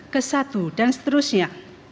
ke satu dan seterusnya